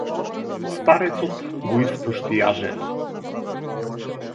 Старецот го испушти јажето.